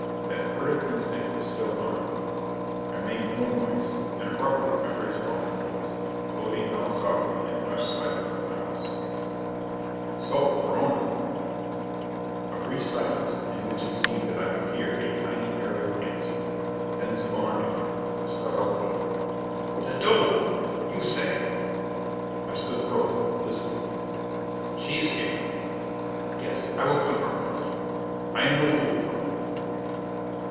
That furtive instinct was still on me. I made no noise. And abruptly I heard Spawn's voice, floating out softly in the hushed silence of the house. "So, Perona?" A brief silence, in which it seemed that I could hear a tiny aerial answer. Then Spawn again. A startled oath. "De duvel! You say " I stood frozen, listening. "She is here.... Yes, I will keep her close. I am no fool, Perona."